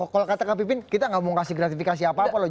kalau kata kang pipin kita nggak mau kasih gratifikasi apa apa loh